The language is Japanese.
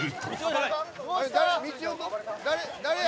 誰や？